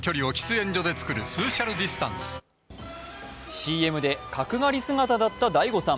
ＣＭで角刈り姿だった大悟さん。